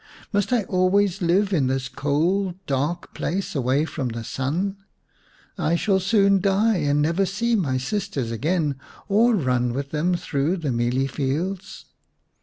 " Must I always live in this cold dark place, away from the sun ? I shall soon die and never see my sisters again, or run with them through the mealie fields."